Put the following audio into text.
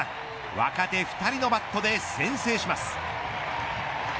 若手２人のバットで先制します。